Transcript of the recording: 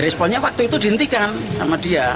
responnya waktu itu dihentikan sama dia